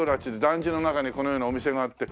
団地の中にこのようなお店があって。